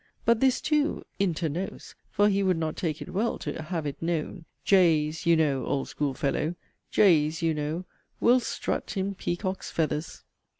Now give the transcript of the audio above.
But this (too) 'inter nos' for he would not take it well to 'have it known' 'Jays' (you know, old school fellow, 'jays,' you know) 'will strut in peacocks' feathers.'